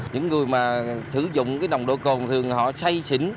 những người mà sử dụng cái nồng độ cồn thường họ say xỉn